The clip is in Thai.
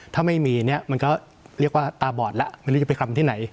ถ้าไม่มีเนี่ยมันก็เรียกว่าตาบอดแล้วไม่รู้จะไปคำที่ไหน